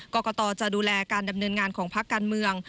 กรกตจะดูแลการดำเนินงานของพักการเมือง